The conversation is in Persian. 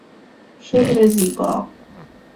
شعر زیبا